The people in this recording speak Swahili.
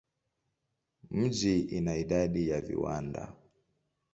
Mji ina idadi ya viwanda.